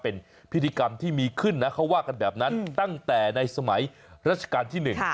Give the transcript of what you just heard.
เป็นพิธีกรรมที่มีขึ้นนะเขาว่ากันแบบนั้นตั้งแต่ในสมัยรัชกาลที่หนึ่ง